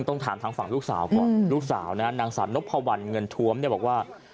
ต้องถามทางฝั่งลูกสาวก่อนลูกสาวนะฮะนางสาวนพวัลเงินทวมเนี่ยบอกว่า